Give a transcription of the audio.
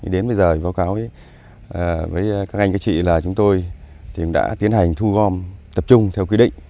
đến bây giờ báo cáo với các anh các chị là chúng tôi đã tiến hành thu gom tập trung theo quy định